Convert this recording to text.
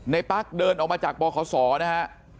ปั๊กเดินออกมาจากบขศนะฮะ